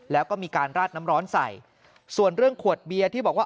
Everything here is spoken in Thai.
แล้วก็มีการราดน้ำร้อนใส่ส่วนเรื่องขวดเบียร์ที่บอกว่า